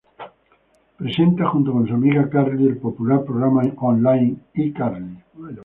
Presenta, junto con su amiga Carly, el popular programa online iCarly.